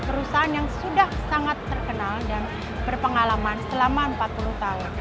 perusahaan yang sudah sangat terkenal dan berpengalaman selama empat puluh tahun